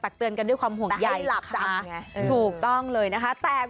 ตักเตือนกันด้วยความห่วงใหญ่ถูกต้องเลยนะคะ